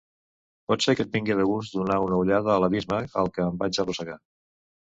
Pot ser que et vingui de gust donar una ullada a l'abisme al que em vaig arrossegar!